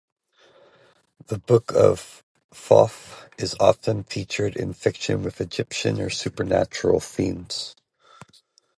The "Book of Thoth" is often featured in fiction with Egyptian or supernatural themes.